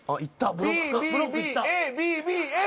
ＢＢＢＡＢＢＡ。